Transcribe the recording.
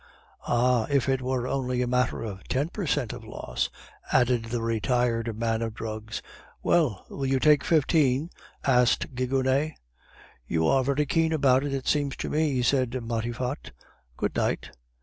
Ah, if it were only a matter of ten per cent of loss ' added the retired man of drugs. "'Well, will you take fifteen?' asked Gigonnet. "'You are very keen about it, it seems to me,' said Matifat. "'Good night.